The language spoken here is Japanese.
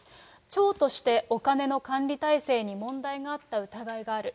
町としてお金の管理体制に問題があった疑いがある。